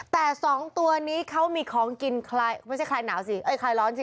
แต่สองตัวนี้เขามีของกินไม่ใช่คลายหนาวสิเอ้ยคลายร้อนสิ